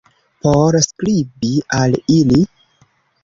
Por skribi al ili?